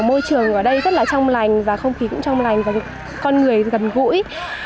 môi trường ở đây rất là trong lành và không khí cũng trong lành và con người gần gũi